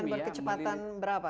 dengan kecepatan berapa